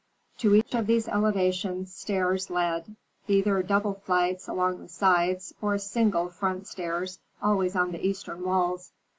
To each of these elevations stairs led, either double flights along the sides or single front stairs, always on the eastern walls.